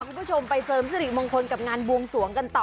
คุณผู้ชมไปเสริมสิริมงคลกับงานบวงสวงกันต่อ